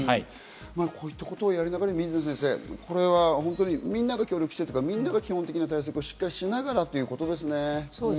こういったことをやりながら水野先生、みんなが協力してというか、みんなが基本的な対策をしながらということですね。